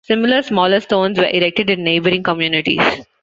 Similar smaller stones were erected in neighbouring communities.